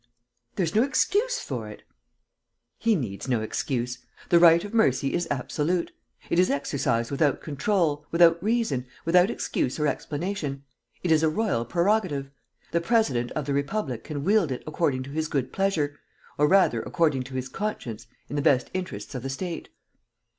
"There's no excuse for it." "He needs no excuse. The right of mercy is absolute. It is exercised without control, without reason, without excuse or explanation. It is a royal prerogative; the president of the Republic can wield it according to his good pleasure, or rather according to his conscience, in the best interests of the State."